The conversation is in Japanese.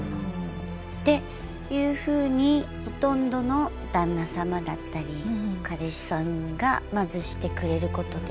っていうふうにほとんどの旦那様だったり彼氏さんがまずしてくれることで。